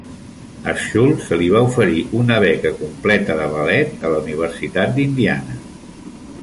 A Schull se li va oferir una beca completa de ballet a la Universitat d'Indiana.